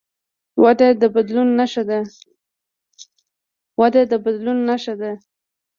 وده د بدلون نښه ده.